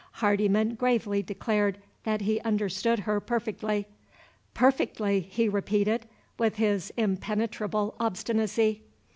Hardyman gravely declared that he understood her perfectly. "Perfectly!" he repeated, with his impenetrable obstinacy.